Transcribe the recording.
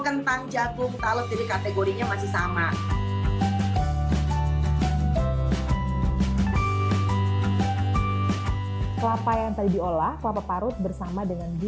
kentang jagung talep jadi kategorinya masih sama